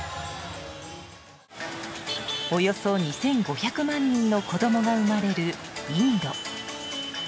およそ２５００万人の子供が生まれるインド。